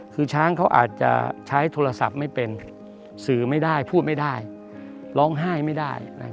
คือช้างเขาอาจจะใช้โทรศัพท์ไม่เป็นสื่อไม่ได้พูดไม่ได้ร้องไห้ไม่ได้